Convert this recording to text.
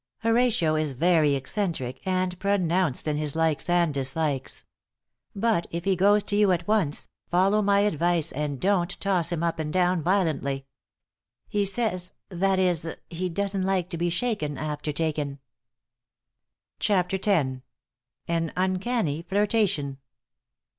Horatio is very eccentric and pronounced in his likes and dislikes. But if he goes to you at once, follow my advice and don't toss him up and down violently. He says that is, he doesn't like to be shaken after taken." *CHAPTER X.* *AN UNCANNY FLIRTATION.